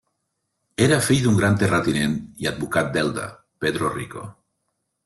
Era fill d'un gran terratinent i advocat d'Elda, Pedro Rico.